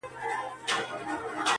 یوه سترګه مو روغه بله سترګه مو ړنده وي،